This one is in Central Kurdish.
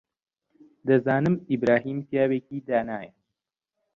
دەزانم ئیبراهیم پیاوێکی دانایە.